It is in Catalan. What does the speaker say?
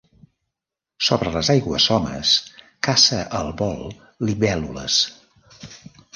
Sobre les aigües somes caça al vol libèl·lules.